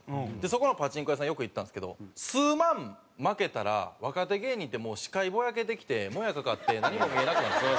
そこのパチンコ屋さんよく行ってたんですけど数万負けたら若手芸人ってもう視界ぼやけてきてモヤかかって何も見えなくなるんですよ。